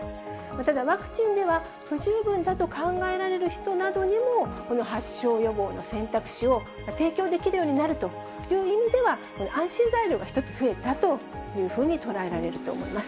ただ、ワクチンでは不十分だと考えられる人などにも、この発症予防の選択肢を提供できるようになるという意味では、安心材料が一つ増えたというふうに捉えられると思います。